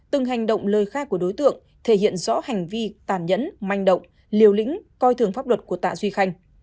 từng hành động lời khai của đối tượng thể hiện rõ hành vi tàn nhẫn manh động liều lĩnh coi thường pháp luật của tạ duy khanh